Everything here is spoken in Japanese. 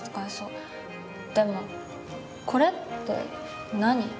でもこれって何？